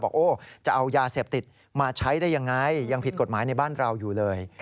จะเอายาเสพติดมาใช้ได้ยังไงยังผิดกฎหมายในบ้านเราอยู่เลย